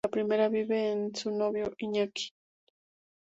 La primera vive con su novio Iñaki.